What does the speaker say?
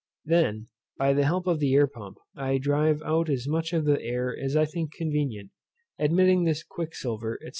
I then, by the help of the air pump, drive out as much of the air as I think convenient, admitting the quicksilver, &c.